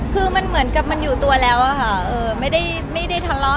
คือมันเหมือนกับมันอยู่ตัวแล้วอะค่ะไม่ได้ทะเลาะ